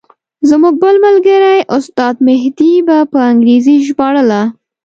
زموږ بل ملګري استاد مهدي به په انګریزي ژباړله.